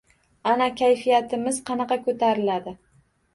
Ana kayfiyatimiz qanaqa koʻtariladi?!